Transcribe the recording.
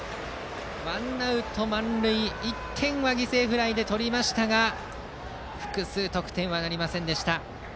ワンアウト満塁で１点は犠牲フライで取りましたが複数得点はなりませんでした。